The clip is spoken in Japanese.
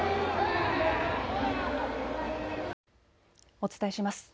お伝えします。